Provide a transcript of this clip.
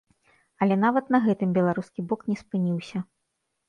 Але нават на гэтым беларускі бок не спыніўся.